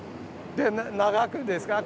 長くですか？